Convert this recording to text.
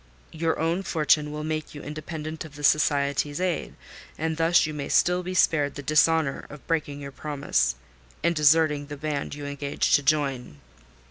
Your own fortune will make you independent of the Society's aid; and thus you may still be spared the dishonour of breaking your promise and deserting the band you engaged to join."